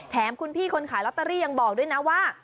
แถมคุณพี่คนขายลอตเตอรี่ยังบอกด้วยนะว่า